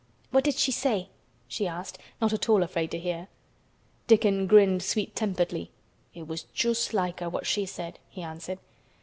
"What did she say?" she asked, not at all afraid to hear. Dickon grinned sweet temperedly. "It was just like her, what she said," he answered.